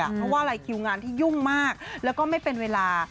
เพราะว่าอะไรคิวงานที่ยุ่งมากแล้วก็ไม่เป็นเวลา